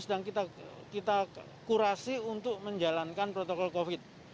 sedang kita kurasi untuk menjalankan protokol covid